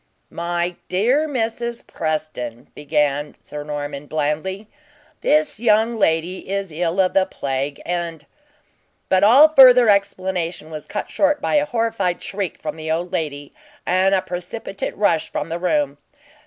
"My dear Mrs. Preston," began Sir Norman blandly, "this young lady is ill of the plague, and " But all further explanation was cut short by a horrified shriek from the old lady, and a precipitate rush from the room.